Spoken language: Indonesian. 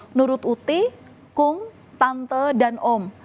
menurut uti kung tante dan om